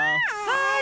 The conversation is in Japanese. はい！